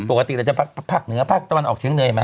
ปกติเราจะภาคเหนือภาคตะวันออกเชียงเนยไหม